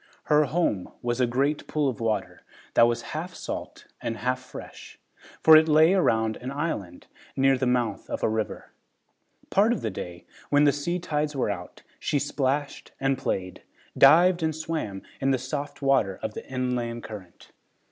Her home was a great pool of water that was half salt and half fresh, for it lay around an island near the mouth of a river. Part of the day, when the sea tides were out, she splashed and played, dived and swam in the soft water of the inland current.